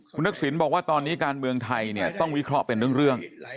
คุณทักษิณบอกว่าตอนนี้การเมืองไทยเนี่ยต้องวิเคราะห์เป็นเรื่อง